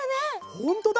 ほんとだ！